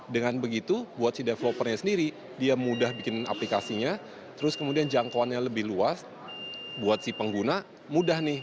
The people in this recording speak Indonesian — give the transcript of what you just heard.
dengan begitu buat si developernya sendiri dia mudah bikin aplikasinya terus kemudian jangkauannya lebih luas buat si pengguna mudah nih